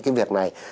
cái việc này